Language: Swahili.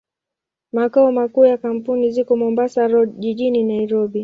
Makao makuu ya kampuni ziko Mombasa Road, jijini Nairobi.